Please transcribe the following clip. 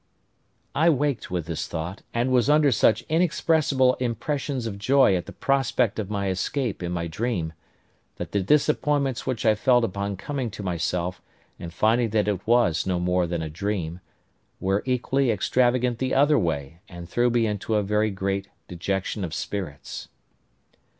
I waked with this thought; and was under such inexpressible impressions of joy at the prospect of my escape in my dream, that the disappointments which I felt upon coming to myself, and finding that it was no more than a dream, were equally extravagant the other way, and threw me into a very great dejection of spirits.